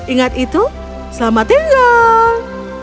ingat itu selamat tinggal